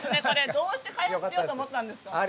どうして開発しようと思ったんですか？